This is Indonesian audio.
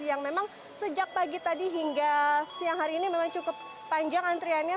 yang memang sejak pagi tadi hingga siang hari ini memang cukup panjang antriannya